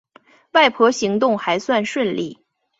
外婆行动还算顺利